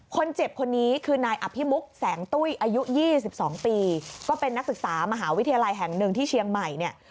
คนเจ็บคนนี้คือนายอภิมุกแสงตุ้ยอายุ๒๒ปีก็เป็นนักศึกษามหาวิทยาลัยแห่งหนึ่งที่เชียงใหม่เนี่ย